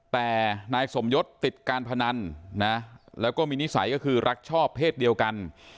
แต่นายสมยศติดการพนันนะแล้วก็มีนิสัยก็คือรักชอบเพศเดียวกัน